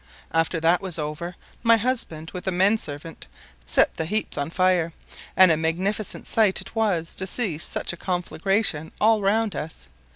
After that was over, my husband, with the men servants, set the heaps on fire; and a magnificent sight it was to see such a conflagration all round us.